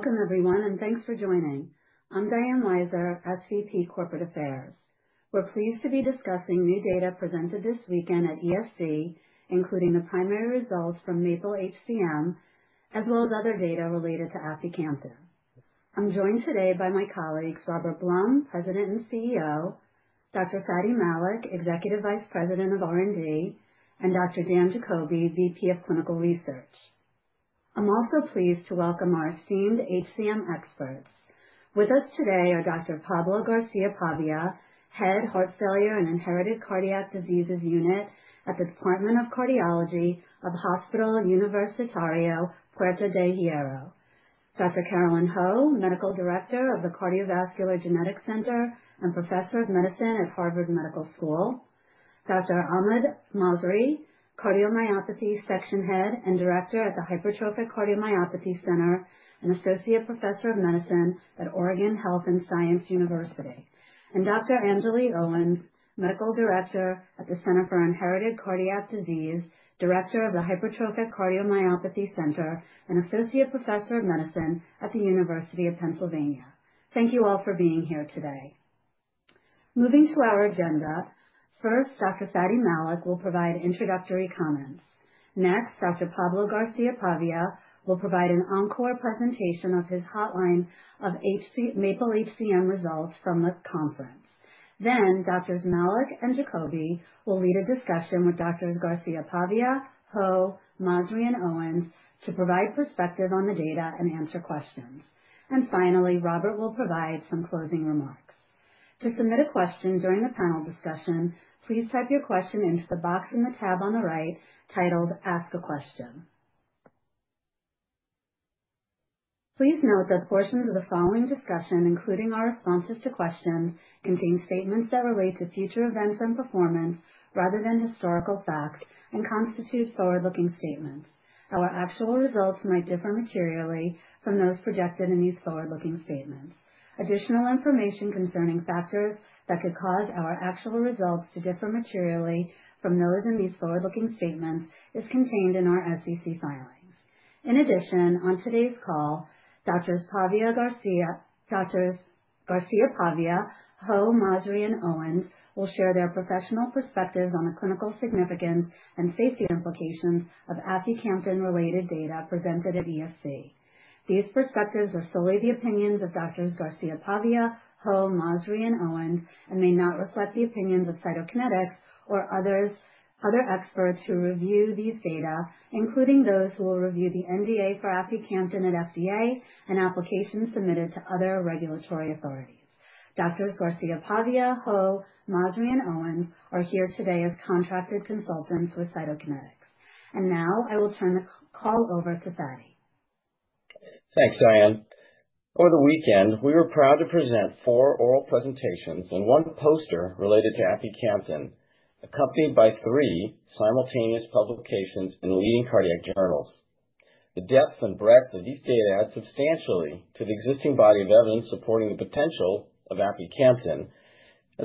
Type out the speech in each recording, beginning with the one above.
Welcome, everyone, and thanks for joining. I'm Diane Weiser, SVP, corporate affairs. We're pleased to be discussing new data presented this weekend at ESC, including the primary results from Maple HCM as well as other data related to aficamtan. I'm joined today by my colleagues Robert Blum, President and CEO Doctor. Fadi Malik, Executive Vice President of R and D and Doctor. Dan Jacobi, VP of Clinical Research. I'm also pleased to welcome our esteemed HCM experts. With us today are Doctor. Pablo Garcia Pavia, Head, Heart Failure and Inherited Cardiac Diseases Unit at the Department of Cardiology of Hospital Universitario, Puerto de Hierro Doctor Carolyn Ho, medical director of the Cardiovascular Genetics Center and professor of medicine at Harvard Medical School Doctor Ahmad Mazari, cardiomyopathy section head and director at the Hypertrophic Cardiomyopathy Center and associate professor of medicine at Oregon Health and Science University and Doctor. Angelie Owens, medical director at the Center for Inherited Cardiac Disease, Director of the Hypertrophic Cardiomyopathy Center, and Associate Professor of Medicine at the University of Pennsylvania. Thank you all for being here today. Moving to our agenda. First, Doctor. Fadi Malik will provide introductory comments. Next, Doctor. Pablo Garcia Pavia will provide an encore presentation of his hotline of HC Maple HCM results from the conference. Then Drs. Malik and Jacobi will lead a discussion with Drs. Garcia Pavia, Ho, Masri and Owens to provide perspective on the data and answer questions. And finally, Robert will provide some closing remarks. To submit a question during the panel discussion, please type your question into the box in the tab on the right titled ask a question. Please note that portions of the following discussion, including our responses to questions, contain statements that relate to future events and performance rather than historical facts and constitute forward looking statements. Our actual results might differ materially from those projected in these forward looking statements. Additional information concerning factors that could cause our actual results to differ materially from those in these forward looking statements is contained in our SEC filings. In addition, on today's call, Drs. Garcia Pavia, Ho, Masri, and Owens will share their professional perspectives on the clinical significance and safety implications of aficamtan related data presented at ESC. These perspectives are solely the opinions of Drs. Garcia Pavia, Ho, Masri, and Owens and may not reflect the opinions of Cytokinetics or others other experts who review these data, including those who will review the NDA for aficamtan at FDA and applications submitted to other regulatory authorities. Drs. Garcia Pavia, Ho, Masri, and Owens are here today as contracted consultants with Cytokinetics. And now I will turn the call over to Fadi. Thanks, Diane. Over the weekend, we were proud to present four oral presentations and one poster related to aficamtan, accompanied by three simultaneous publications in leading cardiac journals. The depth and breadth of these data adds substantially to the existing body of evidence supporting the potential of aficamtan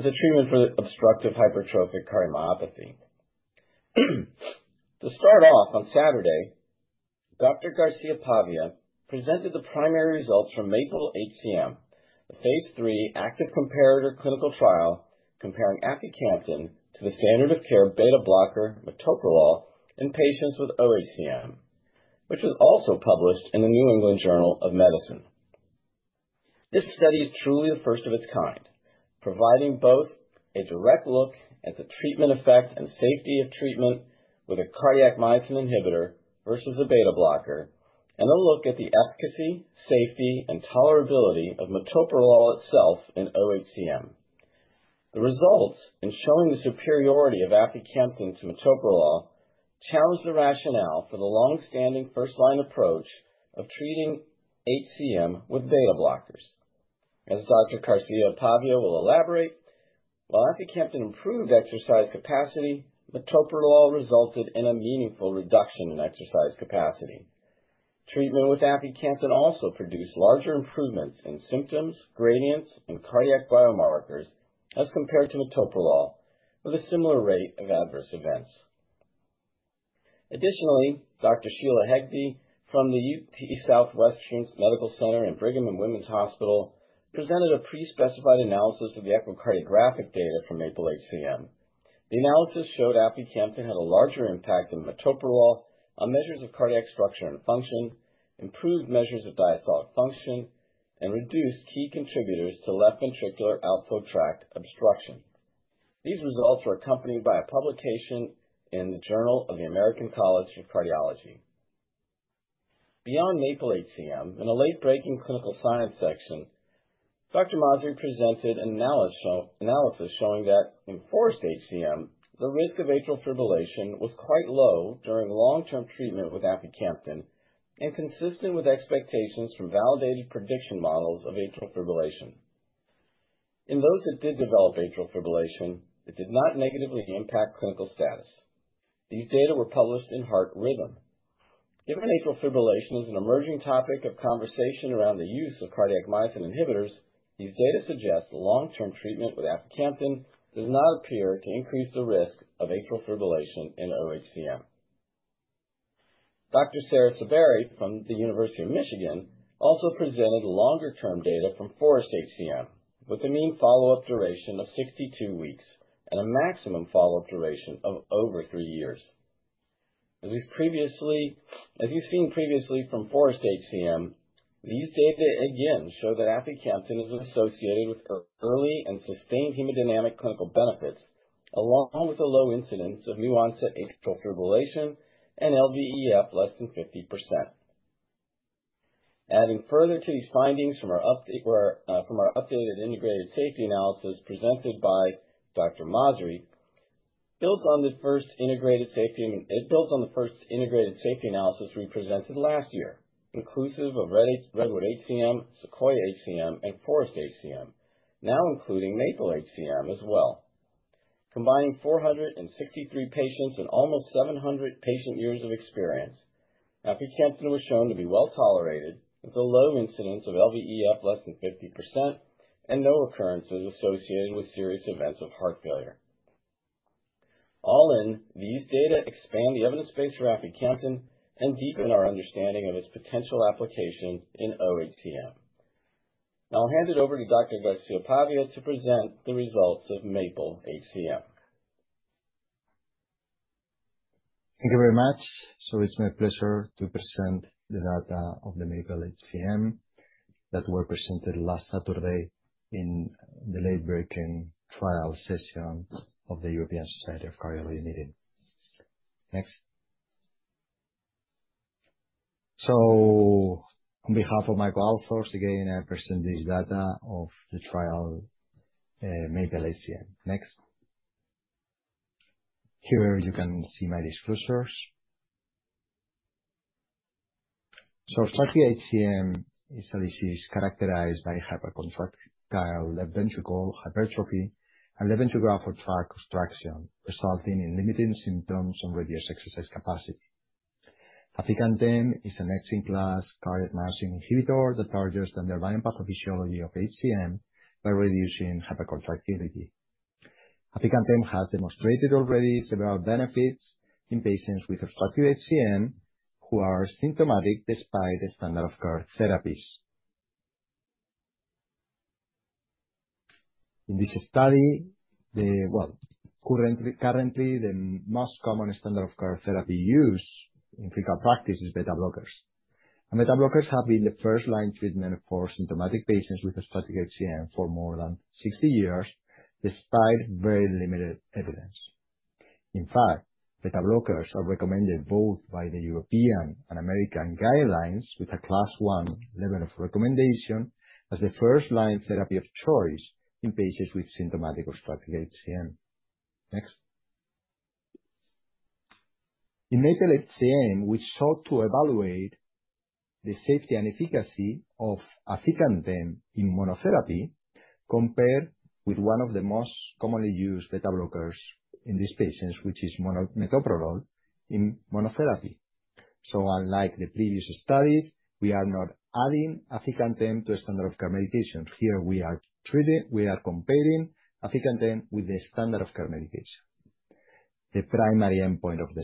as a treatment for obstructive hypertrophic cardiomyopathy. To start off, on Saturday, Doctor. Garcia Pavia presented the primary results from MAPLE HCM, the Phase III active comparator clinical trial comparing aficamtan to the standard of care beta blocker metoprolol in patients with OHCM, which was also published in The New England Journal of Medicine. This study is truly the first of its kind, providing both a direct look at the treatment effect and safety of treatment with a cardiac myosin inhibitor versus a beta blocker and a look at the efficacy, safety and tolerability of metoprolol itself in OHCM. The results in showing the superiority of aficamtan to metoprolol challenged the rationale for the long standing first line approach of treating HCM with beta blockers. As Doctor. Garcia Pavio will elaborate, while aficamtan improved exercise capacity, metoprolol resulted in a meaningful reduction in exercise capacity. Treatment with aficamtan also produced larger improvements in symptoms, gradients and cardiac biomarkers as compared to metoprolol with a similar rate of adverse events. Additionally, Doctor. Sheila Hechtie from the UT Southwestern Medical Center and Brigham and Women's Hospital presented a prespecified analysis of the echocardiographic data from Maple HCM. The analysis showed aficamtan had a larger impact than metoprolol on measures of cardiac structure and function, improved measures of diastolic function and reduced key contributors to left ventricular outflow tract obstruction. These results were accompanied by a publication in the Journal of the American College of Cardiology. Beyond maple HCM, in a late breaking clinical science section, Doctor. Mazri presented an analysis showing that in forest HCM, the risk of atrial fibrillation was quite low during long term treatment with aficamtan and consistent with expectations from validated prediction models of atrial fibrillation. In those that did develop atrial fibrillation, it did not negatively impact clinical status. These data were published in Heart Rhythm. Given atrial fibrillation is an emerging topic of conversation around the use of cardiac myosin inhibitors, these data suggest long term treatment with aficamtan does not appear to increase the risk of atrial fibrillation in OHCM. Doctor. Sarah Saberi from the University of Michigan also presented longer term data from FORWEST HCM with a mean follow-up duration of sixty two weeks and a maximum follow-up duration of over three years. As we've previously as you've seen previously from Forest HCM, these data again show that aficamtin is associated with early and sustained hemodynamic clinical benefits along with a low incidence of new onset atrial fibrillation and LVEF less than fifty percent. Adding further to these findings from our updated integrated safety analysis presented by Doctor. Mazri builds on the first integrated safety it builds on the first integrated safety analysis we presented last year, inclusive of Redwood HCM, Sequoia HCM and Forest HCM, now including Maple HCM as well. Combining four sixty three patients and almost seven hundred patient years of experience, aficamtiv was shown to be well tolerated with a low incidence of LVEF less than fifty percent and no occurrences associated with serious events of heart failure. All in, these data expand the evidence base for aficamtan and deepen our understanding of its potential application in OHCM. Now I'll hand it over to Doctor. Garcia Pavia to present the results of MAPLE HCM. Thank you very much. So it's my pleasure to present the data of the MAPLE HCM that were presented last Saturday in the late breaking trial session of the European Society of Cardiology meeting. Next. So on behalf of Michael Althors, again, I present this data of the trial Maple HCM. Next. Here, you can see my disclosures. So stratified HCM is a disease characterized by hypercontract left ventricle hypertrophy and levantograph of tract obstruction resulting in limiting symptoms and reduced exercise capacity. Aficantem is an next in class cardiac myosin inhibitor that targets the underlying pathophysiology of HCM by reducing hypercontractivity. Aficantem has demonstrated already several benefits in patients with obstructive HCM who are symptomatic despite the standard of care therapies. In this study, the well, currently currently, the most common standard of care therapy used in clinical practice is beta blockers. Beta blockers have been the first line treatment for symptomatic patients with a static HCM for more than sixty years despite very limited evidence. In fact, beta blockers are recommended both by the European and American guidelines with a class one level of recommendation as the first line therapy of choice in patients with symptomatic obstructive HCM. Next. In Maple HCM, we sought to evaluate the safety and efficacy of aficantin in monotherapy compared with one of the most commonly used beta blockers in these patients, which is mono metoprolol in monotherapy. So unlike the previous studies, we are not adding aficantam to a standard of care medication. Here, we are treated we are comparing aficantam with the standard of care medication. The primary endpoint of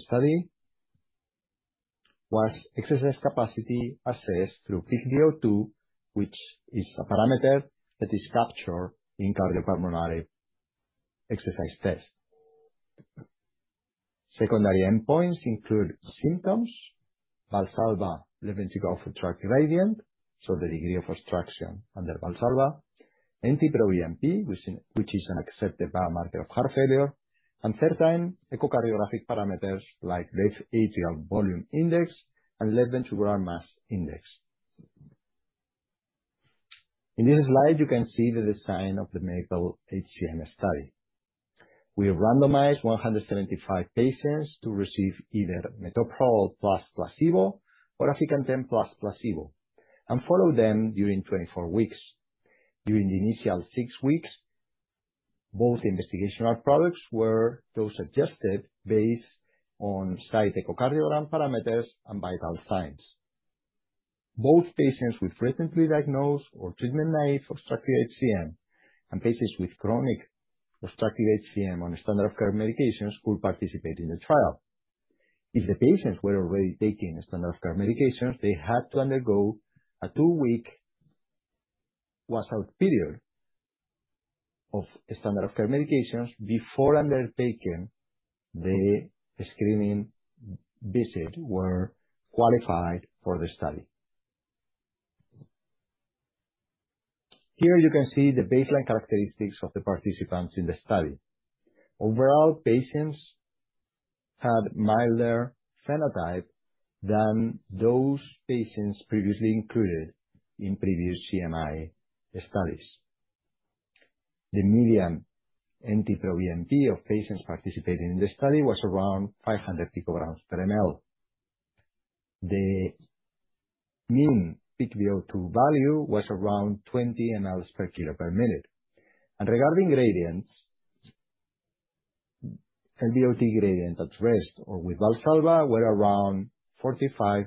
the study was exercise capacity assessed through peak b o two, which is a parameter that is captured in cardiopulmonary exercise test. Secondary endpoints include symptoms, Valsalva, left ventricle for tract gradient, so the degree of obstruction under Valsalva, NT pro EMP, which is an which is an accepted biomarker of heart failure, And third time, echocardiographic parameters like left atrial volume index and left ventricular mass index. In this slide, you can see the design of the MAPLE HCM study. We randomized 175 patients to receive either metoprolol plus placebo or Aficant ten plus placebo and follow them during twenty four weeks. During the initial six weeks, both investigational products were those suggested based on-site echocardiogram parameters and vital signs. Both patients with recently diagnosed or treatment naive obstructive HCM and patients with chronic obstructive HCM on standard of care medications could participate in the trial. If the patients were already taking standard of care medications, they had to undergo a two week washout period of standard of care medications before undertaking the screening visit were qualified for the study. Here, you can see the baseline characteristics of the participants in the study. Overall, had milder phenotype than those patients previously included in previous CMI studies. The median NT proBNP of patients participating in the study was around 500 picograms per ml. The mean peak v o two value was around 20. And regarding gradients, LBOT gradient at rest or with Valsalva were around 45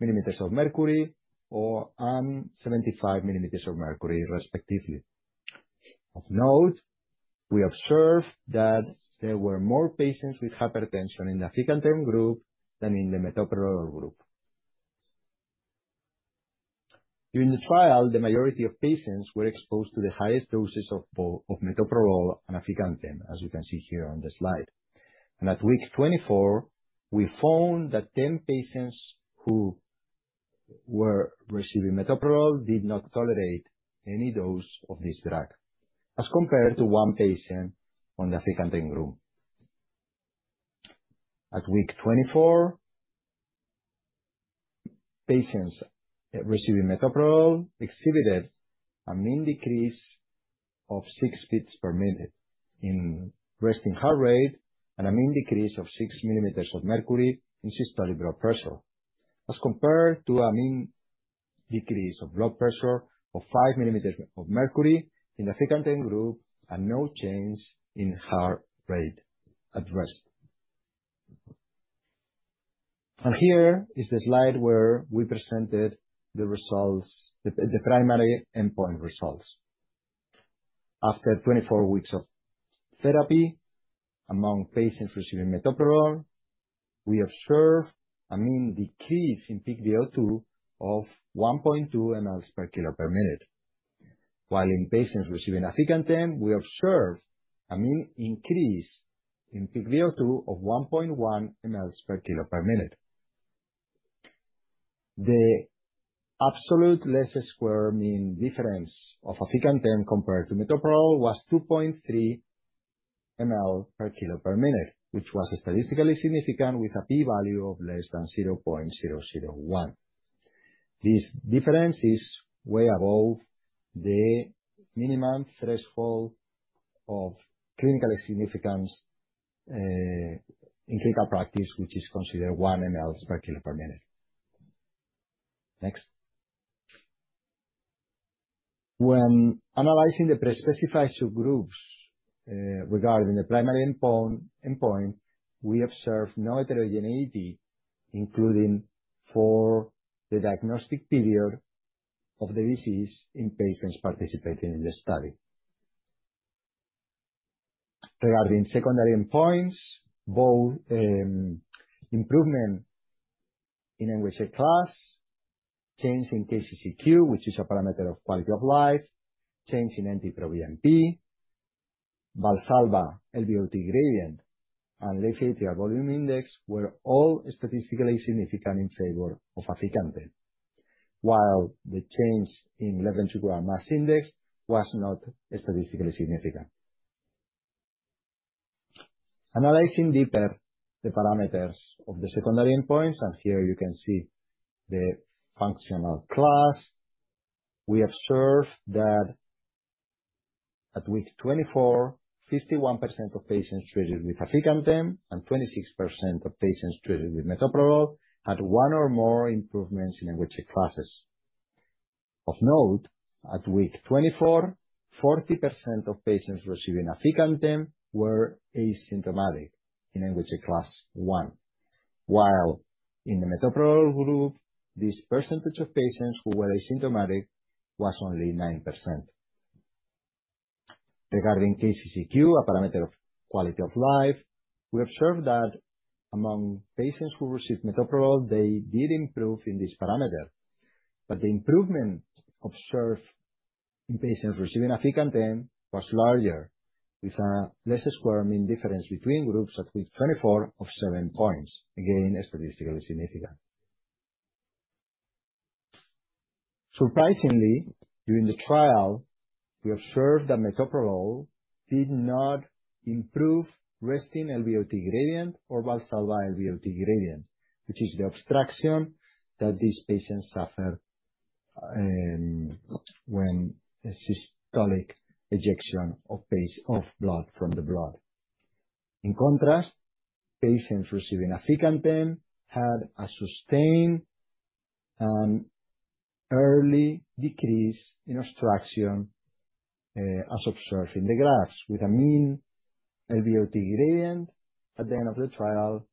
millimeters of mercury or and 75 millimeters of mercury, respectively. Of note, we observed that there were more patients with hypertension in the aficantam group than in the metoprolol group. During the trial, the majority of patients were exposed to the highest doses of both of metoprolol and aficantem, as you can see here on the slide. And at week twenty four, we found that ten patients who were receiving metoprolol did not tolerate any dose of this drug as compared to one patient on the Aficante room. At week twenty four, patients receiving metoprolol exhibited a mean decrease of six beats per minute in resting heart rate and a mean decrease of six millimeters of mercury in systolic blood pressure. As compared to a mean decrease of blood pressure of five millimeters of mercury in the Vicente group and no change in heart rate addressed. And here is the slide where we presented the results, the primary endpoint results. After twenty four weeks of therapy among patients receiving metoprolol, we observe a mean decrease in peak VO two of 1.2. While in patients receiving Aficantam, we observe a mean increase in peak v o two of 1.1. The absolute less square mean difference of Aficantem compared to metoprolol was 2.3, which was statistically significant with a p value of less than 0.001. This difference is way above the minimum threshold of clinical significance in clinical practice, which is considered one ml per kilo per minute. Next. When analyzing the prespecified subgroups regarding the primary endpoint, we observed no heterogeneity including for the diagnostic period of the disease in patients participating in the study. Regarding secondary endpoints, both improvement in NHK class, change in KCCQ, which is a parameter of quality of life, change in NT proBNP, Valsalva LVOT gradient, and left atrial volume index were all statistically significant in favor of Aficante, while the change in eleven to twelve hour mass index was not statistically significant. Analyzing deeper the parameters of the secondary endpoints, and here you can see the functional class. We observe that at week twenty four, 51 of patients treated with aficantam and twenty six percent of patients treated with metoprolol had one or more improvements in in which classes. Of note, at week twenty four, forty percent of patients receiving Aficantem were asymptomatic in NWCHE class one. While in the metoprolol group, this percentage of patients who were asymptomatic was only nine percent. Regarding KCCQ, a parameter of quality of life, we observed that among patients who received metoprolol, they did improve in this parameter. But the improvement observed in patients receiving Aficantam was larger with a less square mean difference between groups at week 24 of seven points, again, statistically significant. Surprisingly, during the trial, we observed that metoprolol did not improve resting LVOT gradient or Valsalva LVOT gradient, which is the obstruction that these patients suffer when a systolic ejection of base of blood from the blood. In contrast, patients receiving Aficantem had a sustained early decrease in obstruction as observed in the graphs with a mean LVOT gradient at the end of the trial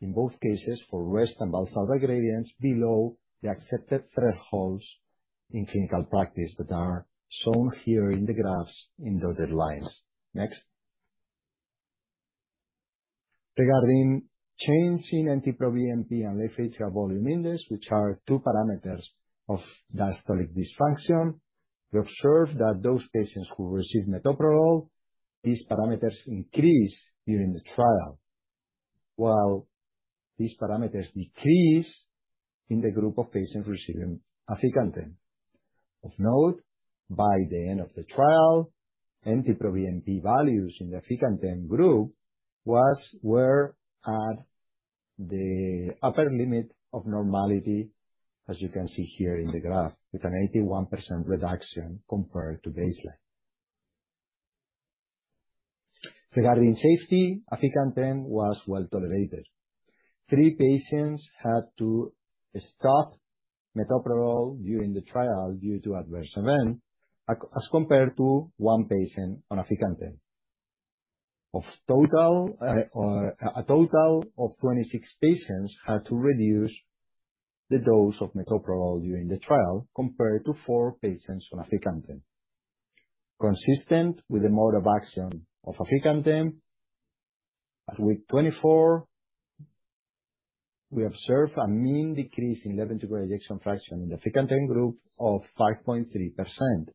in both cases for REST and Valsalva gradients below the accepted thresholds in clinical practice that are shown here in the graphs in dotted lines. Next. Regarding change in NT proBNP and left atrial volume index, which are two parameters of diastolic dysfunction. We observed that those patients who received metoprolol, these parameters increase during the trial, while these parameters decrease in the group of patients receiving Aficantem. Of note, by the end of the trial, NT proBNP values in the Aficantem group was were at the upper limit of normality, as you can see here in the graph, with an 81% reduction compared to baseline. Regarding safety, Aficantem was well tolerated. Three patients had to stop metoprolol during the trial due to adverse event as compared to one patient on Aficantem. Of total or a total of 26 patients had to reduce the dose of metoprolol during the trial compared to four patients on Aficantene. Consistent with the mode of action of Aficantene, At week twenty four, we observed a mean decrease in 11 degree ejection fraction in the aficantine group of five point three percent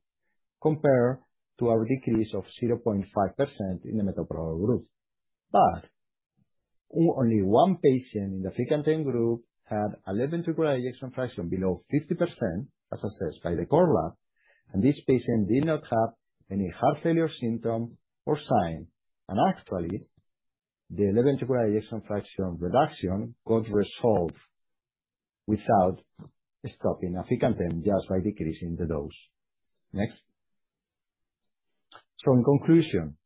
compared to our decrease of zero point five percent in the metoprolol group. But only one patient in the Vicente group had 11 tuberoid ejection fraction below 50% as assessed by the Core Lab, and this patient did not have any heart failure symptom or sign. And, actually, the 11 tuber ejection fraction reduction got resolved without stopping aficantem just by decreasing the dose. Next. So in conclusion,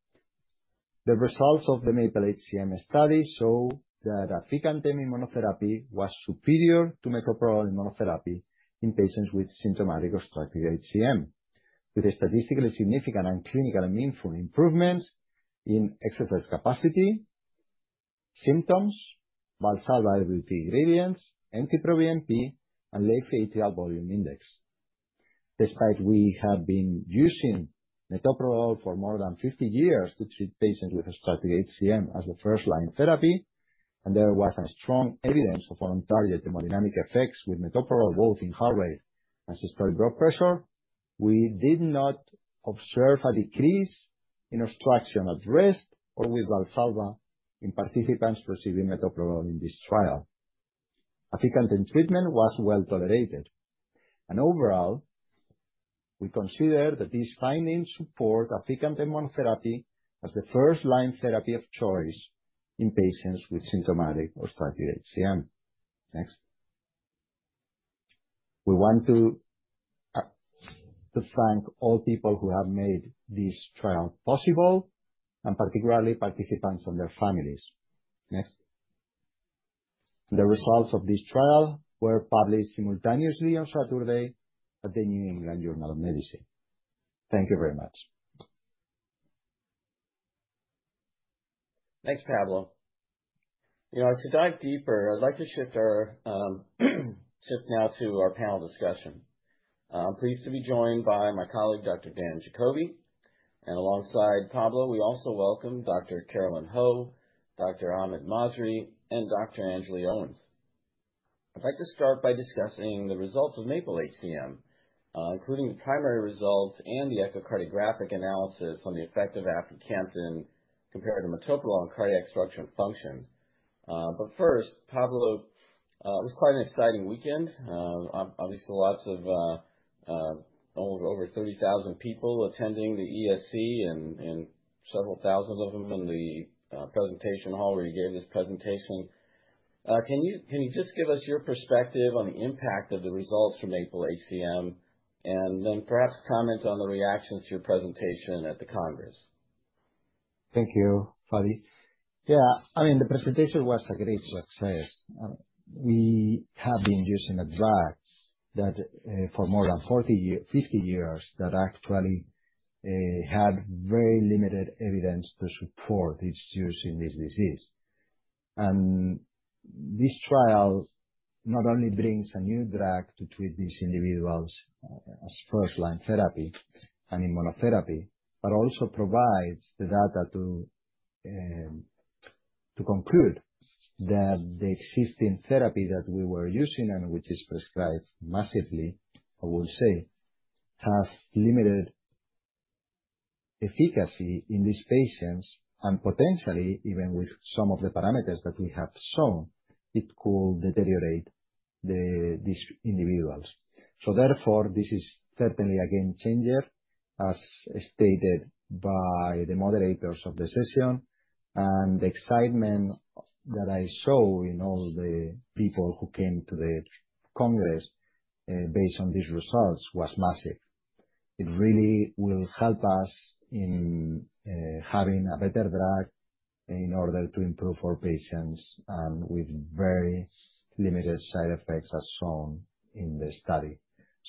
the results of the MAPLE HCM study show that Aficantemi monotherapy was superior to metoprolol immunotherapy in patients with symptomatic obstructive HCM with a statistically significant and clinically meaningful improvement in excess capacity, symptoms, Valsalva Lability ingredients, NT proBNP and late atrial volume index. Despite we had been using metoprolol for more than fifty years to treat patients with obstructive HCM as the first line therapy, and there was a strong evidence of our target hemodynamic effects with metoprolol both in heart rate and systolic blood pressure, we did not observe a decrease in obstruction at rest or with Valsalva in participants receiving metoprolol in this trial. Aficantin treatment was well tolerated. And overall, we consider that these findings support aficantamab therapy as the first line therapy of choice in patients with symptomatic or Structed HCM. Next. We want to to thank all people who have made this trial possible and particularly participants and their families. Next. The results of this trial were published simultaneously on Saturday at the New England Journal of Medicine. Thank you very much. Thanks, Pablo. To dive deeper, I'd like to shift our shift now to our panel discussion. I'm pleased to be joined by my colleague, Doctor. Dan Jacobi. And alongside Pablo, we also welcome Doctor. Carolyn Ho, Doctor. Ahmed Mazri and Doctor. Angelie Owens. I'd like to start by discussing the results of MAPLE HCM, including the primary results and the echocardiographic analysis on the effect of aficamtan compared to metoprolol on cardiac structure and function. But first, Pablo, it was quite an exciting weekend. Obviously, lots of over 30,000 people attending the ESC and several thousand of them in the presentation hall where you gave this presentation. Can you just give us your perspective on the impact of the results from Maple HCM? And then perhaps comment on the reactions to your presentation at the congress. Thank you, Fadi. Yeah. I mean, the presentation was a great success. We have been using a drug that for more than forty year fifty years that actually had very limited evidence to support its use in this disease. And this trial not only brings a new drug to treat these individuals as first line therapy and in monotherapy, but also provides the data to to conclude that the existing therapy that we were using and which is prescribed massively, I will say, has limited efficacy in these patients and potentially even with some of the parameters that we have shown, it could deteriorate the these individuals. So therefore, this is certainly a game changer as stated by the moderators of the session. And the excitement that I saw in all the people who came to the congress based on these results was massive. It really will help us in having a better drug in order to improve our patients with very limited side effects as shown in the study.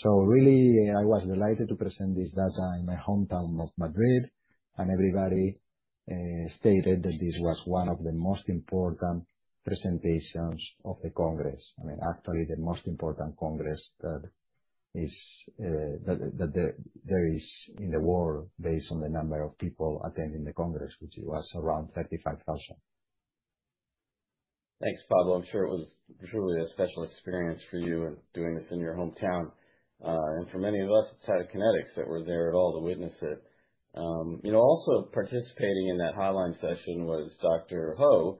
So, really, I was delighted to present this data in my hometown of Madrid, and everybody, stated that this was one of the most important presentations of the congress. I mean, actually, the most important congress that is that that there there is in the world based on the number of people attending the congress, which it was around 35,000. Thanks, Pablo. I'm sure it was truly a special experience for you in doing this in your hometown, and for many of us at Cytokinetics that were there at all to witness it. You know, also participating in that hotline session was doctor Ho,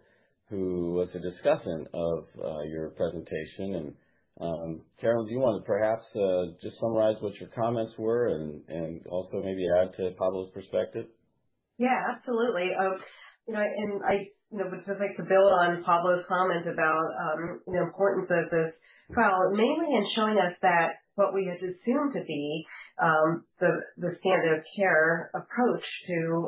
who was a discussant of your presentation. And, Carolyn, do you want to perhaps, just summarize what your comments were and and also maybe add to Pablo's perspective? Yeah. Absolutely. You know, and I know, just like to build on Pablo's comments about, you know, importance of this trial, mainly in showing us that what we had assumed to be, the the standard of care approach to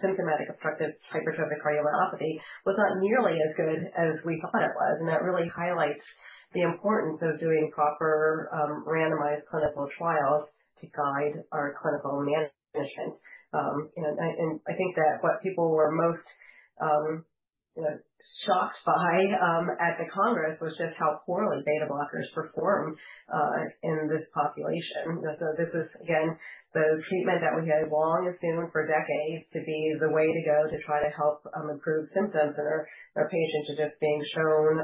symptomatic obstructive hypertrophic cardiomyopathy was not nearly as good as we thought it was, and that really highlights the importance of doing proper randomized clinical trials to guide our clinical management. And I think that what people were most shocked by at the Congress was just how poorly beta blockers performed in this population. So this is again the treatment that we have long assumed for decades to be the way to go to try to help improve symptoms and our patients are just being shown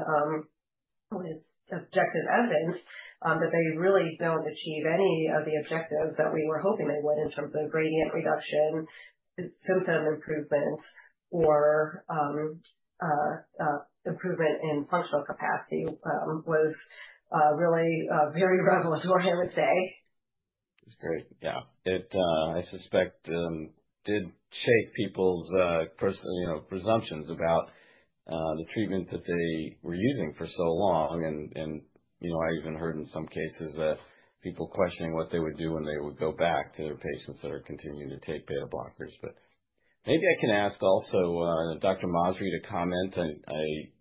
with objective evidence, but they really don't achieve any of the objectives that we were hoping they would in terms of gradient reduction, symptom improvement, or, improvement in functional capacity, was, really, very revelatory, I would say. It's great. Yeah. It, I suspect, did shake people's presumptions about the treatment that they were using for so long. And I even heard in some cases people questioning what they would do when they would go back to their patients that are continuing to take beta blockers. But maybe I can ask also Doctor. Mazri to comment.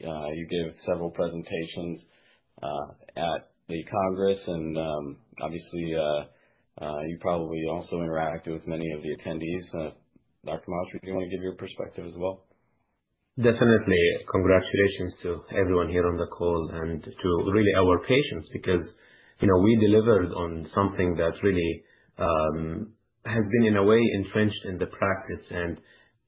You gave several presentations at the congress, and, obviously, you probably also interacted with many of the attendees. Doctor Masri, do you wanna give your perspective as well? Definitely. Congratulations to everyone here on the call and to, really, our patients because, you know, we delivered on something that really, has been in a way entrenched in the practice. And,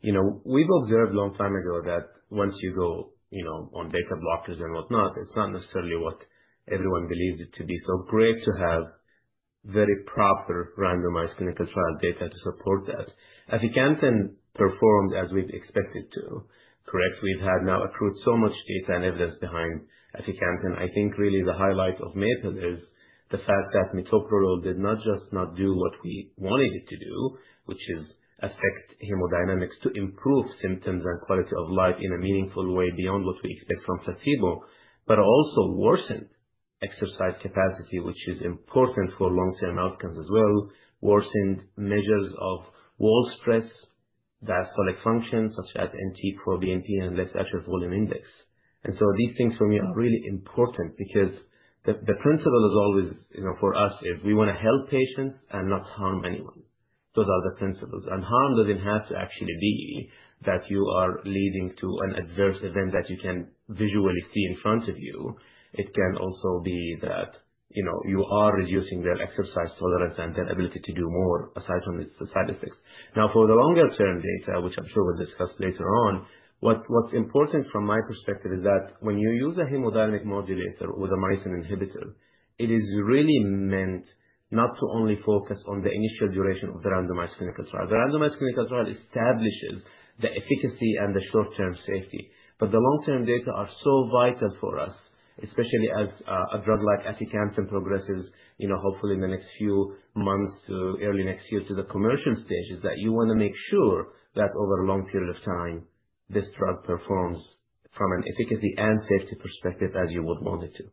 you know, we've observed long time ago that once you go, you know, on beta blockers and whatnot, it's not necessarily what everyone believes it to be. So great to have very proper randomized clinical trial data to support that. Aficamten performed as we've expected to. Correct? We've had now accrued so much data and evidence behind Aficamten. I think, really, the highlight of MAPIL is the fact that metoprolol did not just not do what we wanted it to do, which is affect hemodynamics to improve symptoms and quality of life in a meaningful way beyond what we expect from placebo, but also worsened exercise capacity, which is important for long term outcomes as well, worsened measures of wall stress, diastolic functions, such as NT proBNP, and left atrial volume index. And so these things for me are really important because the the principle is always, you know, for us is we wanna help patients and not harm anyone. Those are the principles. And harm doesn't have to actually be that you are leading to an adverse event that you can visually see in front of you. It can also be that, you know, you are reducing their exercise tolerance and their ability to do more aside from its side effects. Now for the longer term data, which I'm sure we'll discuss later on, what what's important from my perspective is that when you use a hemodynamic modulator with a myosin inhibitor, it is really meant not to only focus on the initial duration of the randomized clinical trial. The randomized clinical trial establishes the efficacy and the short term safety. But the long term data are so vital for us, especially as a drug like aficamtan progresses, hopefully, in the next few months to early next year to the commercial stages, that you want to make sure that over a long period of time, this drug performs from an efficacy and safety perspective as you would want it to.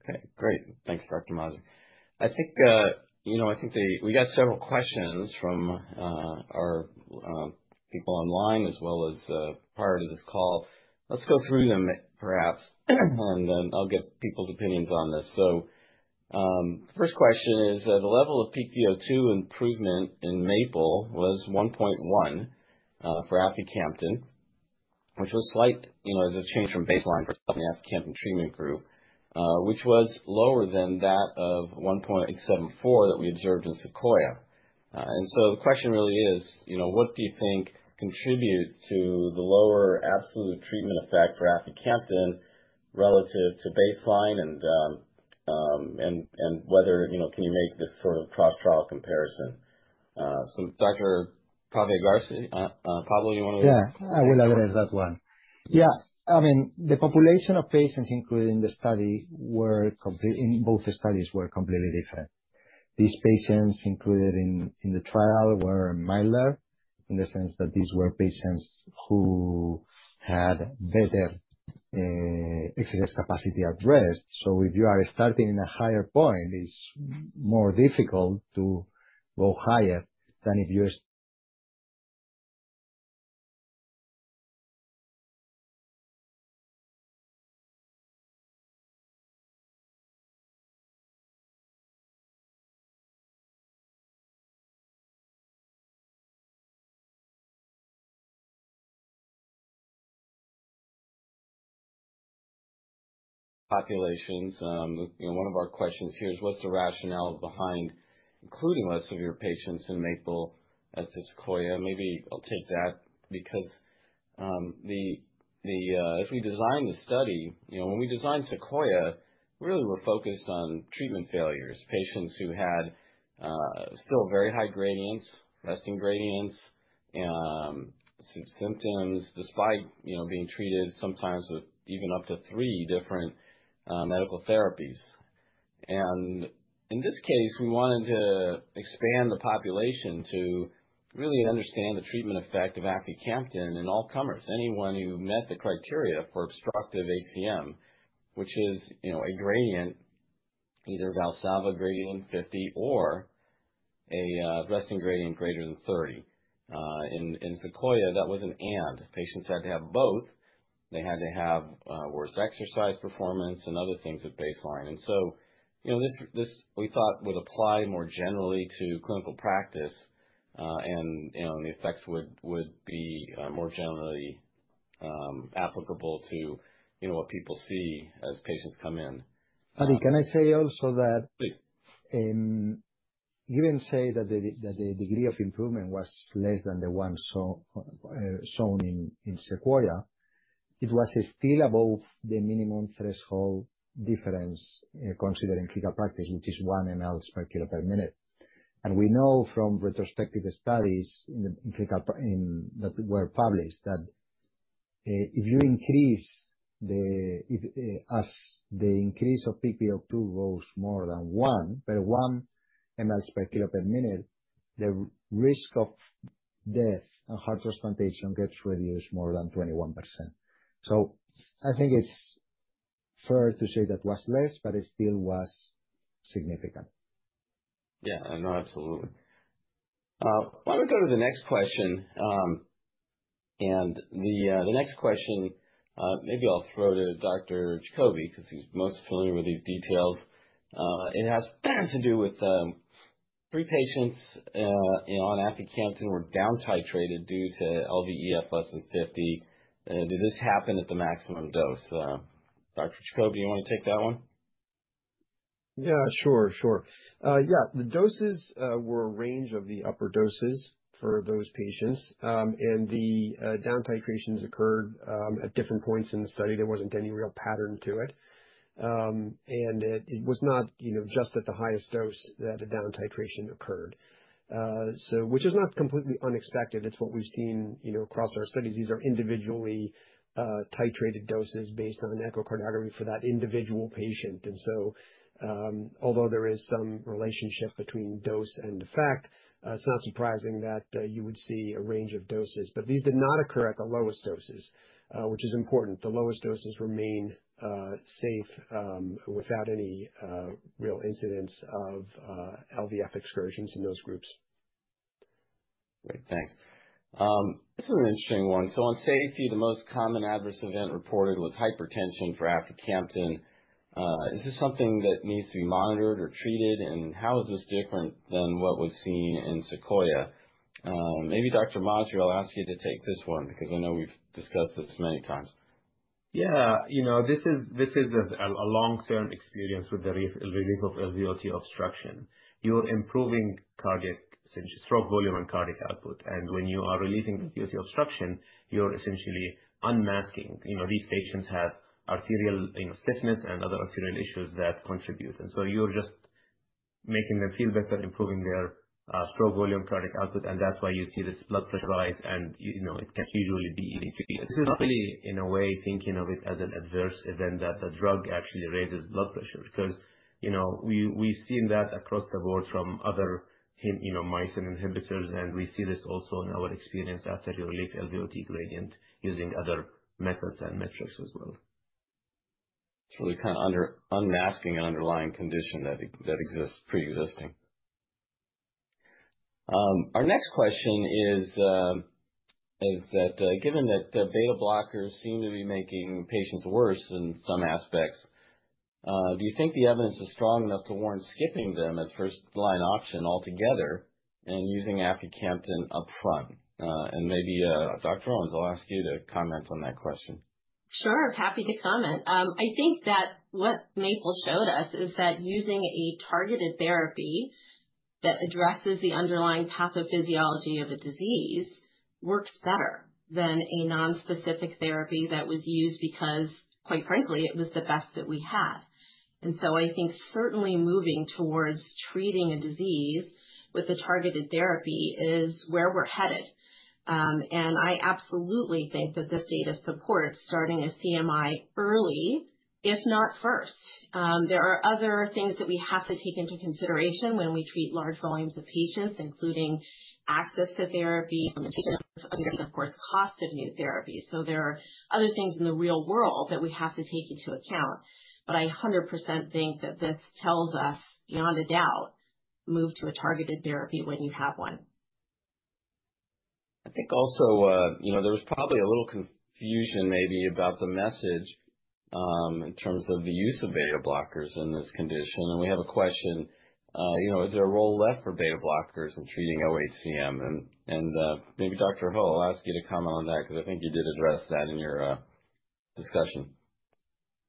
Okay. Great. Thanks, Doctor. Mazer. I think the we got several questions from our people online as well as prior to this call. Let's go through them perhaps, and then I'll get people's opinions on this. So first question is the level of peak VO2 improvement in Maple was 1.1 for aficamtan, which was slight as a change from baseline for itself in the aficamtan treatment group, which was lower than that of 1.874 that we observed in SEQUOIA. And so the question really is, what do you think contributes to the lower absolute treatment effect for aficamtan relative to baseline and whether can you make this sort of cross trial comparison? So doctor Pavegarci Pablo, you wanna Yeah. I will address that one. Yeah. I mean, the population of patients included in the study were complete in both studies were completely different. These patients included in in the trial were milder in the sense that these were patients who had better excess capacity at rest. So if you are starting in a higher point, it's more difficult to go higher than if you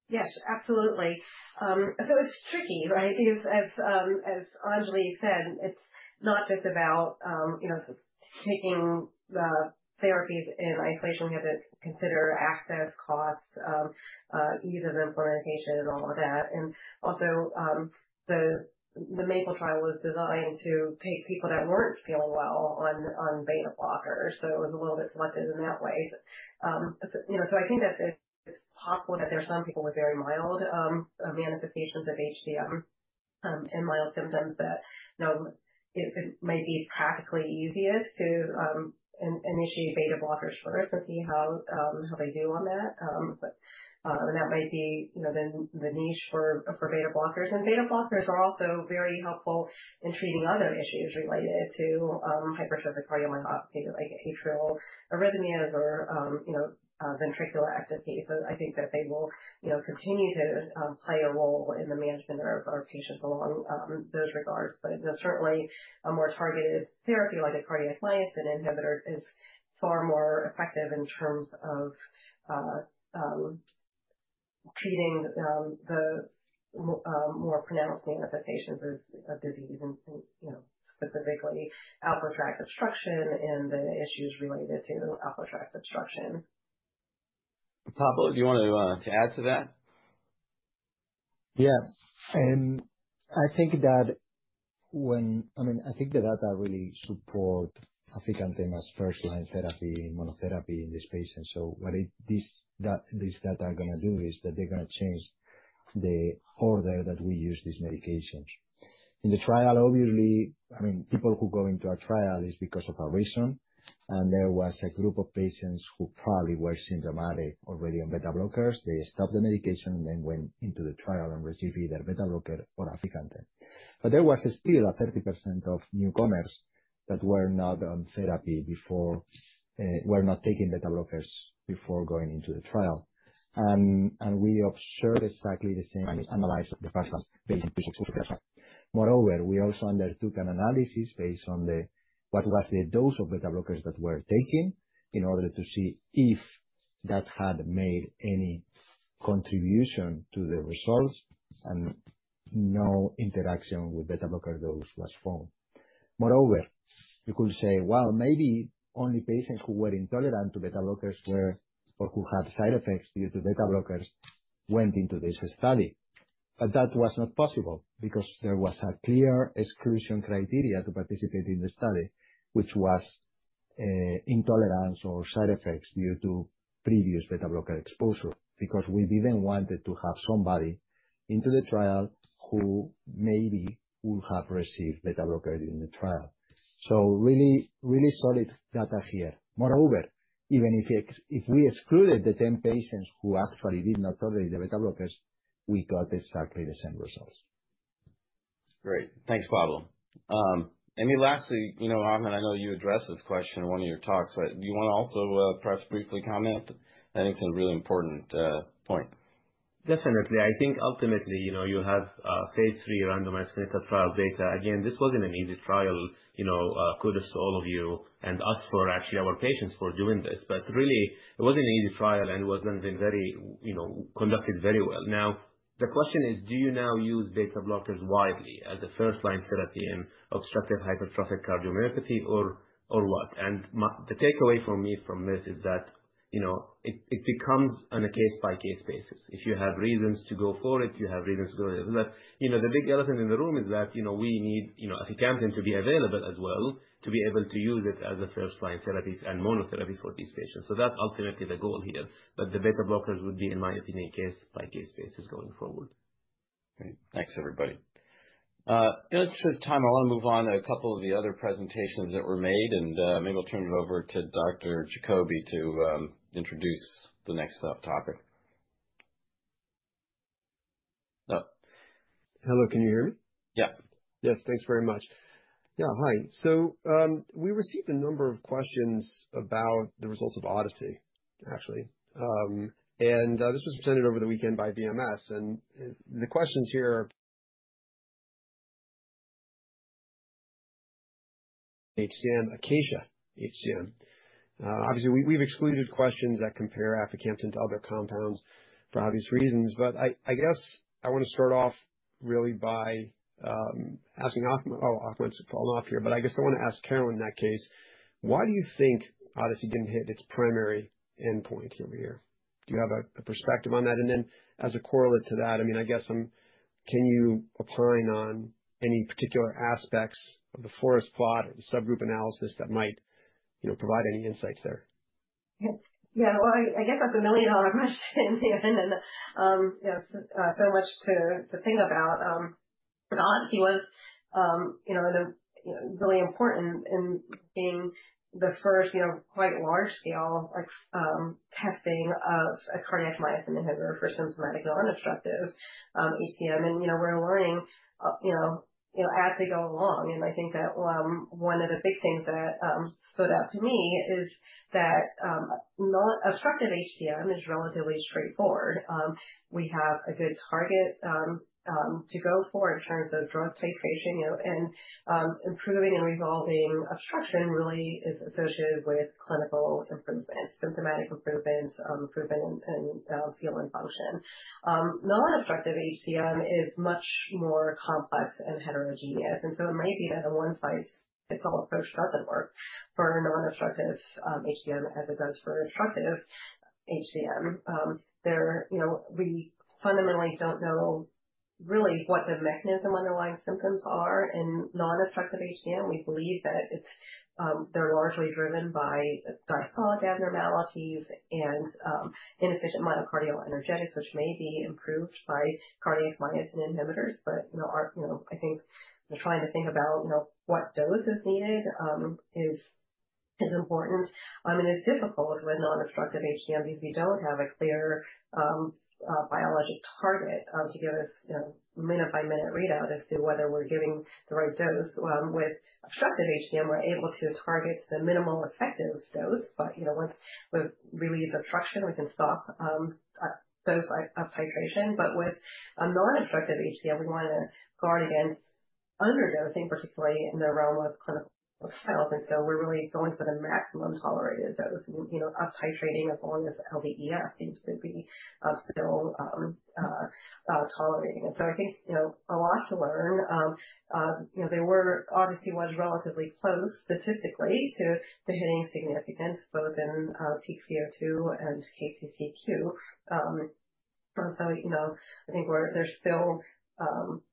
Yes. Absolutely. So it's tricky. Right? Because as as Angelie said, it's not just about, you know, taking therapies in isolation. We had to consider access, costs, ease of implementation, and all of that. And, also, the MAPLE trial was designed to take people that weren't feeling well on beta blockers, so it was a little bit selective in that way. Think that it's possible that there are some people with very mild manifestations of HCM and mild symptoms that, you know, it it might be practically easiest to initiate beta blockers first and see how how they do on that. But that might be, you know, then the niche for for beta blockers. And beta blockers are also very helpful in treating other issues related to hypertrophic cardiomyopathy, like atrial arrhythmias or, you know, ventricular activity. So I think that they will, you know, continue to play a role in the management of our patients along those regards. You know, certainly a more targeted therapy like a cardiac myosin inhibitor is far more effective in terms of treating the more pronounced manifestations of disease and and, you know, specifically, outflow tract obstruction and the issues related to outflow tract obstruction. Pablo, do you want to to add to that? Yeah. And I think that when I mean, I think the data really support aficantamab first line therapy and monotherapy in these patients. So what it this that this data are gonna do is that they're gonna change the order that we use these medications. In the trial, obviously I mean, people who go into a trial is because of a reason, and there was a group of patients who probably were symptomatic already on beta blockers. They stopped the medication and then went into the trial and received either beta blocker or Aficante. But there was still a thirty percent of newcomers that were not on therapy before were not taking beta blockers before going into the trial. And and we observed exactly the same findings analyzing the the participants based in previous exposure to beta blockers or not. Moreover, we also undertook an analysis based on the what was the dose of beta blockers that were taken in order to see if that had made any contribution to the results and no interaction with beta blocker dose was found. Moreover, you could say, well, maybe only patients who were intolerant to beta blockers were or who had side effects due to beta blockers went into this study. But that was not possible because there was a clear exclusion criteria to participate in the study, which was intolerance or side effects due to previous beta blocker exposure because we didn't wanted to have somebody into the trial who maybe will have received beta blocker during the trial. So really, really solid data here. Moreover, even if if we excluded the 10 patients who actually did not tolerate the beta blockers, we got exactly the same results. Great. Thanks, Pablo. And then lastly, you know, Ahmed, I know you addressed this question in one of your talks. Do you wanna also perhaps briefly comment? I think it's a really important, point. Definitely. I think, ultimately, you know, you have, phase three randomized clinical trial data. Again, this wasn't an easy trial. You know, kudos to all of you and us for, actually, our patients for doing this. But, really, it wasn't an easy trial, and it was done been very you know, conducted very well. Now the question is, do you now use beta blockers widely as a first line therapy in obstructive hypertrophic cardiomyopathy or or what? And the takeaway for me from this is that, you know, it it becomes on a case by case basis. If you have reasons to go for it, you have reasons to go ahead. But, you know, the big elephant in the room is that, you know, we need, you know, aficamtiv to be available as well to be able to use it as a first line therapy and monotherapy for these these patients. So that's ultimately the goal here. But the beta blockers would be, in my opinion, case by case basis going forward. Great. Thanks, everybody. In interest of time, I want to move on to a couple of the other presentations that were made, and, maybe I'll turn it over to Doctor. Jacoby to introduce the next topic. Hello. Can you hear me? Yep. Yes. Thanks very much. Yeah. Hi. So, we received a number of questions about the results of OddiSY, actually. And, this was presented over the weekend by BMS. And the questions here are the potential read through to our phase three clinical trial of aficamtin in NHCM, Acacia HCM. Obviously, we we've excluded questions that compare aficamtin to other compounds for obvious reasons, but I I guess I wanna start off really by, asking oh, Achmed's fallen off here. But I guess I wanna ask Carolyn in that case, why do you think OddiSY didn't hit its primary endpoint here over here? Do you have a a perspective on that? And then as a correlate to that, I mean, I guess, can you opine on any particular aspects of the forest plot or the subgroup analysis that might, you know, provide any insights there? Yeah. Well, I I guess that's a million dollar question. Yeah. And, yes, so much to to think about. For us, he was, you know, the you know, really important in being the first, you know, quite large scale, like, testing of a cardiac myosin inhibitor for symptomatic nonobstructive HCM. And, you know, we're learning, you know, you know, as we go along. And I think that one of the big things that stood out to me is that nonobstructive HCM is relatively straightforward. We have a good target to go for in terms of drug titration, you know, and improving and resolving obstruction really is associated with clinical improvement, symptomatic improvements, improvement in in function. Non obstructive HCM is much more complex and heterogeneous, and so it might be that a one size fits all approach doesn't work for non obstructive HCM as it does for obstructive HCM. We fundamentally don't know really what the mechanism underlying symptoms are in non obstructive HCM. We believe that it's they're largely driven by diastolic abnormalities and inefficient myocardial energetics, which may be improved by cardiac myosin inhibitors. But, you know, our you know, I think we're trying to think about, you know, what dose is needed is is important. I mean, it's difficult with nonobstructive HTM because we don't have a clear biologic target to give us, you know, minute by minute readout as to whether we're giving the right dose. With obstructive HCM, we're able to target the minimal effective dose. But, you know, once we relieve obstruction, we can stop dose titration. But with nonobstructive HCL, we wanna guard against underdosing, particularly in the realm of clinical trials. And so we're really going for the maximum tolerated dose, know, uptitrating as long as LVEF seems to be still tolerating it. So I think, you know, a lot to learn. You know, they were obviously was relatively close statistically to the hitting significance both in peak v o two and KCCQ. And so, you know, I think we're there's still,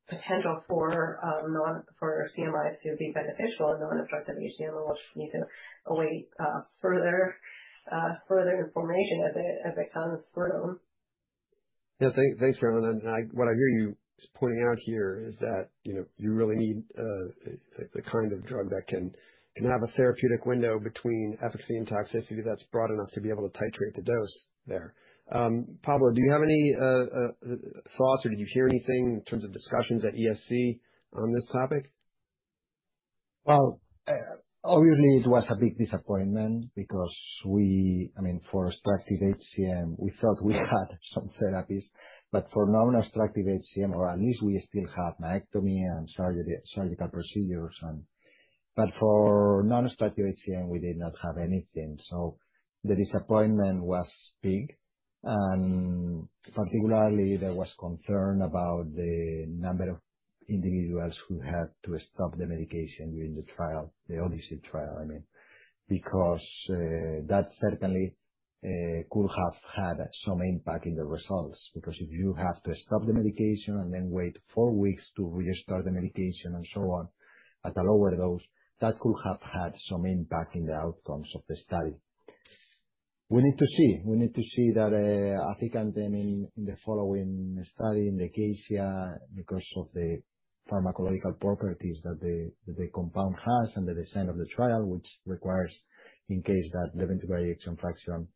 potential for, non for CMIs to be beneficial in nonobstructive HCM, and we'll just need to await, further, further information as it as it comes through. Yeah. Thanks, Carolyn. And I what I hear you pointing out here is that, you know, you really need a kind a of drug that can can have a therapeutic window between efficacy and toxicity that's broad enough to be able to titrate the dose there. Pablo, do you have any, thoughts, or did you hear anything in terms of discussions at ESC on this topic? Well, obviously, it was a big disappointment because we I mean, for obstructive HCM, we thought we had some therapies. But for non obstructive HCM, or at least we still have myectomy and surgery surgical procedures. And but for non obstructive HCM, we did not have anything. So the disappointment was big. And, particularly, there was concern about the number of individuals who had to stop the medication during the trial, the ODC trial, I mean, because that certainly could have had some impact in the results. Because if you have to stop the medication and then wait four weeks to restart the medication and so on at a lower dose, that could have had some impact in the outcomes of the study. We need to see we need to see that Aficantem in in the following study in the case here because of the pharmacological properties that the that the compound has and the design of the trial, which requires in case that eleven degree exon fraction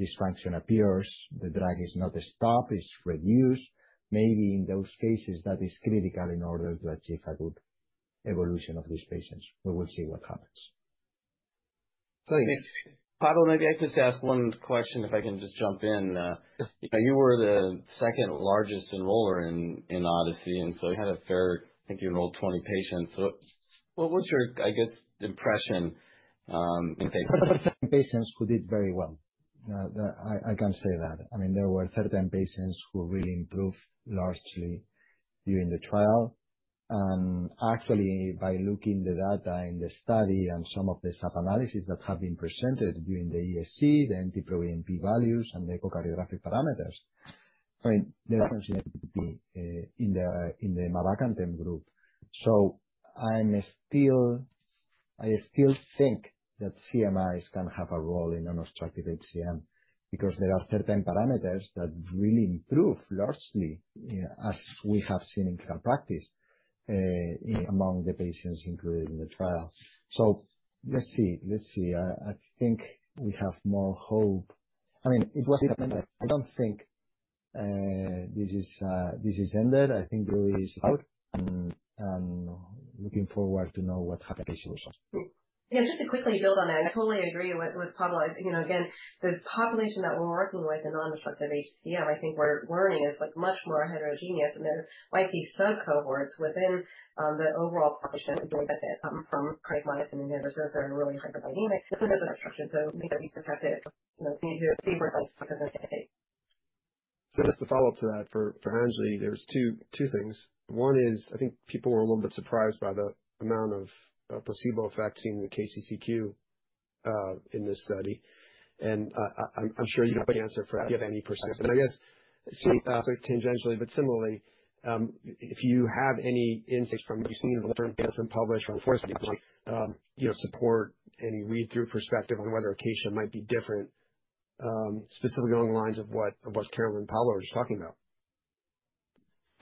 dysfunction appears, the drug is not stopped, it's reduced. Maybe in those cases, that is critical in order to achieve a good evolution of these patients. We will see what happens. Thanks. Pablo, maybe I could just ask one question if I can just jump in. You were the second largest enroller in in OHDIESY, and so you had a fair I think you enrolled 20 patients. So what was your, I guess, impression in your patience of Well, there were 13 patients who did very well. The I I can say that. I mean, there were 13 patients who really improved largely during the trial. And, actually, by looking the data in the study and some of the sub analysis that have been presented during the ESC, the NT pro EMP values and the echocardiographic parameters, I mean, there are large reductions in NT pro EMP in the in the group. So I'm still I still think that CMIs can have a role in non obstructive HCM because there are certain parameters that really improve largely, as we have seen in clinical practice among the patients included in the trial. So let's see. Let's see. I think we have more hope. I mean, it was a disappointment, but I I don't think this is this is ended. I think the jury is still out and and looking forward to know what happens with the case results. Yeah. Just to quickly build on that. Yeah. I totally agree with with Pablo. You know, again, the population that we're working with in non obstructive HCM, I think we're learning is, like, much more heterogeneous, and there might be sub cohorts within the overall population that do enjoy benefit from cardiomyocytes inhibitors. Those are really hyperdynamic, you know, potentially even those with mid cavity obstruction. So, you I think that we just have to, you know, you know, continue to to see where the science, takes us and see where evidence takes us. So then, I guess, the follow-up to that for for Angelie, there's two two things. One is I think people were a little bit surprised by the amount of, placebo effects seen in the KCCQ, in this study. And I'm I'm sure you don't have a quick answer for that, but, if you have any perspectives. And then I guess, similarly, so tangentially, but similarly, if you have any insights from what you've seen in the long term data that's been published from the forest study in the NHCM population that might, you know, support any read through perspective on whether Acacia might be different, specifically along the lines of what of what Carolyn and Paolo are just talking about?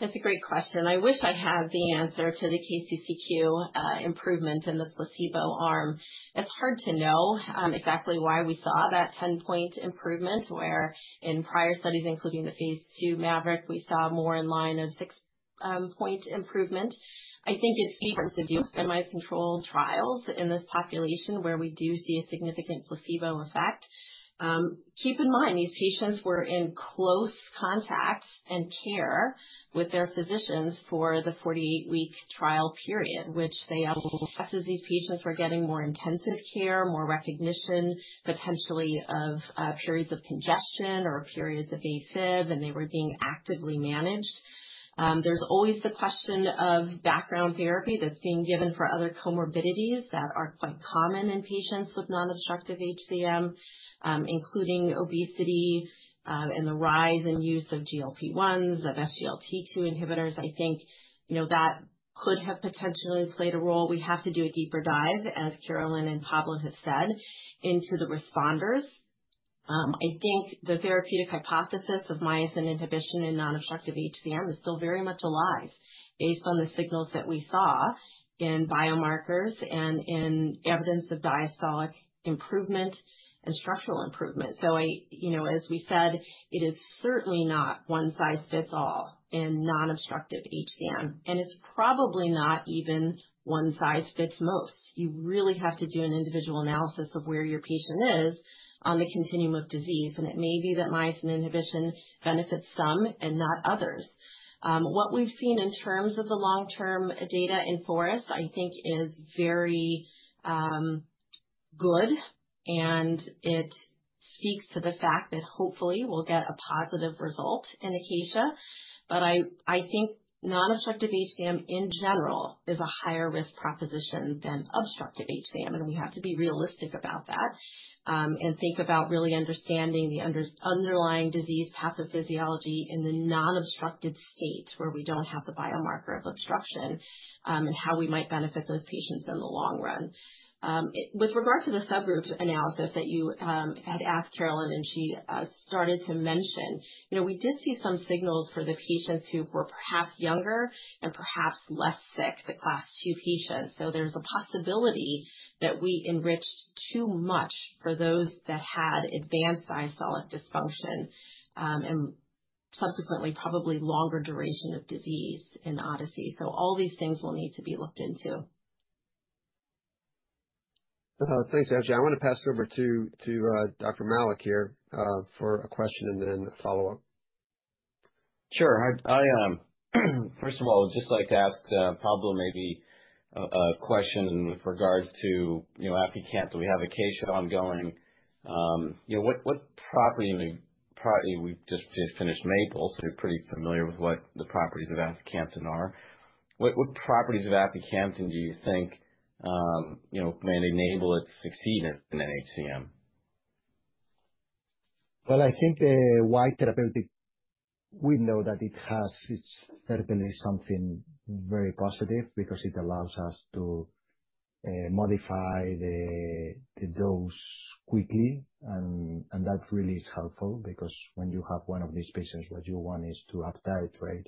That's a great question. I wish I had the answer to the KCCQ, improvement in the placebo arm. It's hard to know, exactly why we saw that 10 improvement where in prior studies including the phase two MAVERICK we saw more in line of six point improvement. I think it speaks to the importance of doing randomized controlled trials in this population where we do see a significant placebo effect. Keep in mind, these patients were in close contact and care with their physicians for the forty eight week trial period, which they otherwise would not have been. So my guess is these patients were getting more intensive care, more recognition potentially of, periods of congestion or periods of AFib, and they were being actively managed. There's always the question of background therapy that's being given for other comorbidities that are quite common in patients with non obstructive HCM, including obesity, and the rise in use of GLP-1s, of SGLT2 inhibitors. I think, you know, that could have potentially played a role. We have to do a deeper dive, as Carolyn and Pablo have said, into the responders. I think the therapeutic hypothesis of myosin inhibition in non obstructive HCM is still very much alive based on the signals that we saw in biomarkers and in evidence of diastolic improvement and structural improvement. So I, you know, as we said, it is certainly not one size fits all in non obstructive HCM, and it's probably not even one size fits most. You really have to do an individual analysis of where your patient is on the continuum of disease, and it may be that myosin inhibition benefits some and not others. What we've seen in terms of the long term data in Forest, I think is very, good and it speaks to the fact that hopefully we'll get a positive result in acacia. But I think non obstructive HCM in general is a higher risk proposition than obstructive HCM, and we have to be realistic about that and think about really understanding the underlying disease pathophysiology in the nonobstructed state where we don't have the biomarker of obstruction and how we might benefit those patients in the long run. With regard to the subgroup analysis that you, had asked Carolyn and she started to mention, you know, we did see some signals for the patients who were perhaps younger and perhaps less sick, the class two patients. So there's a possibility that we enriched too much for those that had advanced diastolic dysfunction, and subsequently, probably longer duration of disease in Odysee. So all these things will need to be looked into. Thanks, Angie. I wanna pass it over to to, doctor Malik here, for a question and then a follow-up. Sure. I'd I, first of all, I'd just like to ask, Pablo maybe a question with regards to Aficampton. We have Acacia ongoing. What property we've just finished Maple, so you're pretty familiar with what the properties of Aficampton are. What what properties of aficamtan do you think, you know, may enable it to succeed in NHCM? Well, I think the wide therapeutic window that it has, it's certainly something very positive because it allows us to modify the the dose quickly. And and that really is helpful because when you have one of these patients, what you want is to uptitrate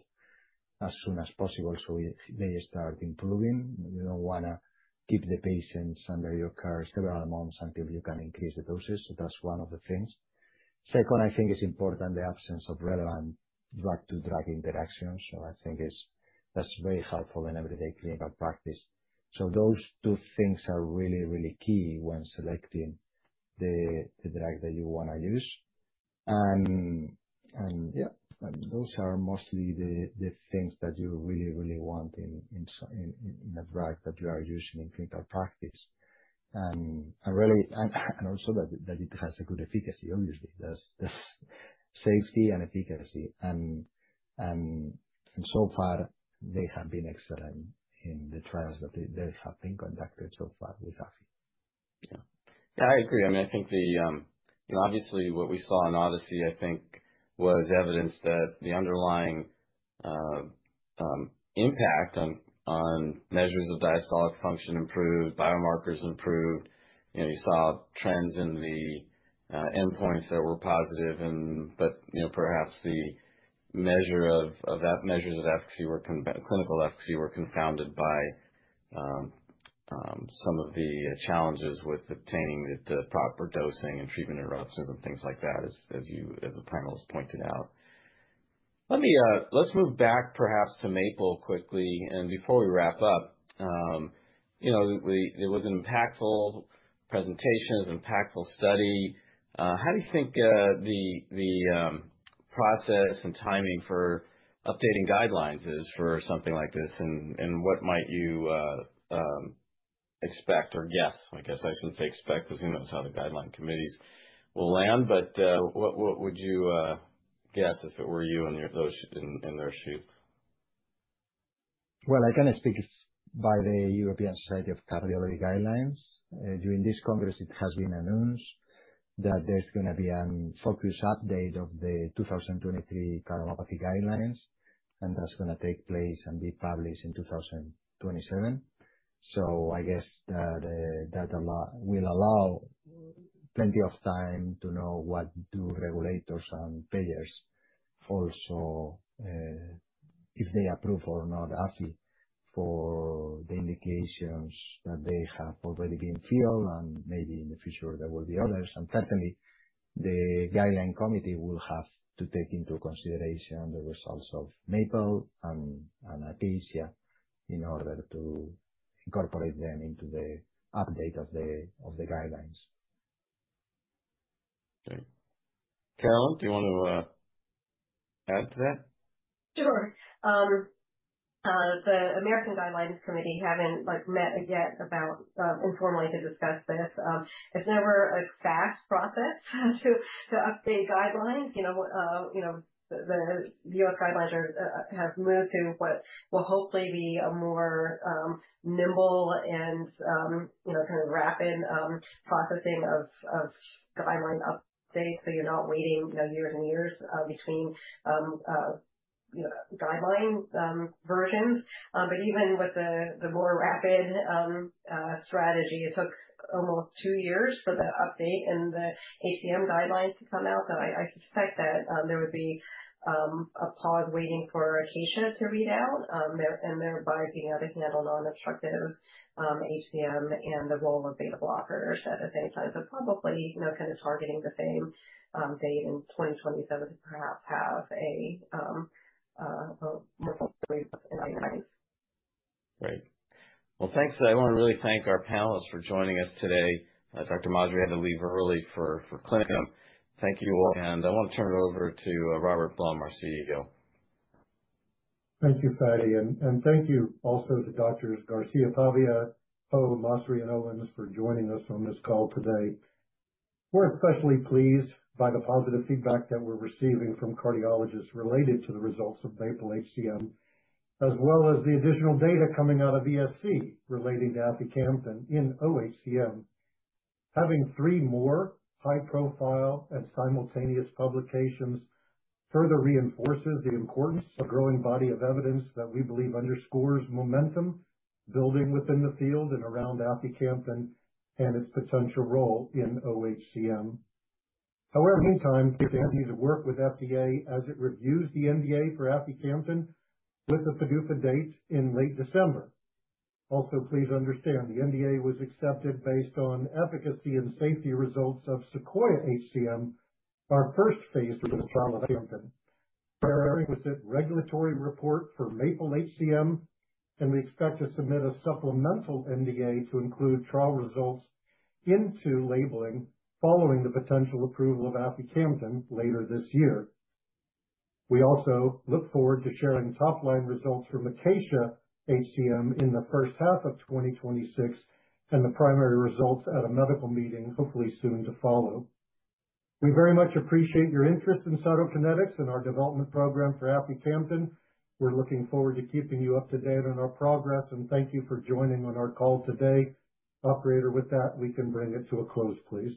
as soon as possible so they start improving. You don't wanna keep the patients under your car several months until you can increase the doses. So that's one of the things. Second, I think it's important the absence of relevant drug to drug interactions. So I think it's that's very helpful in everyday clinical practice. So those two things are really, really key when selecting the the drug that you wanna use. And and, yep, those are mostly the the things that you really, really want in in in in a drug that you are using in clinical practice. And and really and and also that that it has a good efficacy, obviously. That's that's safety and efficacy. And and and so far, they have been excellent in the trials that they they have been conducted so far with AFI. Yeah. Yeah. I agree. I mean, I think the you know, obviously, what we saw in ODYSSEY, I think, was evidence that the underlying impact on on measures of diastolic function improved, biomarkers improved. You saw trends in the endpoints that were positive and but perhaps the measure of measures of efficacy were clinical efficacy were confounded by some of the challenges with obtaining the proper dosing and treatment interruptions and things like that as you as the panel has pointed out. Let me let's move back perhaps to Maple quickly. And before we wrap up, there was an impactful presentation, impactful study. How do you think the process and timing for updating guidelines is for something like this? And what might you expect or guess? I guess I shouldn't say expect because who knows how the guideline committees will land. But what what would you guess if it were you and your those in in their shoes? Well, I can speak by the European Society of Cardiology Guidelines. During this congress, it has been announced that there's gonna be an focus update of the 2023 cardiomyopathy guidelines, and that's gonna take place and be published in 02/1927. So I guess that that will allow plenty of time to know what do regulators and payers also if they approve or not, AFI, for the indications that they have already been filled, and maybe in the future, there will be others. And, certainly, the guideline committee will have to take into consideration the results of Maple and and Acacia in order to incorporate them into the update of the of the guidelines. K. Carolyn, do you wanna add to that? Sure. The American guidelines committee haven't, like, met yet about informally to discuss this. It's never a fast process to to update guidelines. You know, you know, the The US guidelines are have moved to what will hopefully be a more nimble and, you know, kind of rapid processing of of guideline updates so you're not waiting, you years and years between, you know, guideline versions. But even with the the more rapid strategy, it took almost two years for the update and the HCM guidelines to come out. So I I suspect that there would be a pause waiting for Acacia to read out there and thereby being able to handle nonobstructive HCM and the role of beta blockers at the same time. So probably, you know, kind of targeting the same date in 2027 to perhaps have a more formal revision of an updating of the guidelines. Great. Well, thanks. I want to really thank our panelists for joining us today. Doctor Madri had to leave early for clinic, I think. But, thank you all. And I want to turn it over to, Robert Blum, our CEO. Thank you, Fadi, and thank you also to Drs. Garcia Pavia, Ho, Masri and Owens for joining us on this call today. We're especially pleased by the positive feedback that we're receiving from cardiologists related to the results of VAPEL HCM as well as the additional data coming out of ESC relating to aficamtan in OHCM. Having three more high profile and simultaneous publications further reinforces the importance of the growing body of evidence that we believe underscores momentum building within the field and around aficamtan and its potential role in OHCM. However, in the meantime, please understand we continue to work with FDA as it reviews the NDA for aficamtan with a PDUFA date in late December. Also, understand the NDA was accepted based on efficacy and safety results of SEQUOIA HCM, our first Phase III clinical trial of aficamtan. We're now already preparing the requisite regulatory report for MAPLE HCM, and we expect to submit a supplemental NDA to include trial results into labeling following the potential approval of aficamtan later this year. We also look forward to sharing top line results for Makacia HCM in the 2026 and the primary results at a medical meeting hopefully soon to follow. We very much appreciate your interest in Cytokinetics and our development program for aphecamtin. We're looking forward to keeping you up to date on our progress and thank you for joining on our call today. Operator, with that, we can bring it to a close, please.